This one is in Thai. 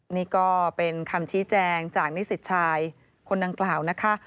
นี่ก็เป็นคำชี้แจงจากนิสิตชายคนดังกล่าวนะคะ